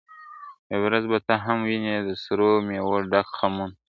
یوه ورځ به ته هم وینې د سرو میو ډک خمونه !.